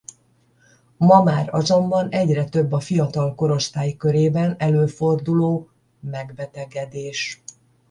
Ma már azonban egyre több a fiatal korosztály körében előforduló megbetegedés.